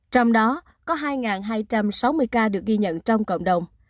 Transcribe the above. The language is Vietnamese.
trong đó có hai hai trăm sáu mươi ca được ghi nhận trong cộng đồng